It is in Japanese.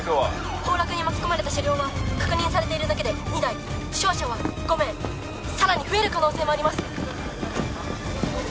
崩落に巻き込まれた車両は確認されているだけで２台負傷者は５名さらに増える可能性もあります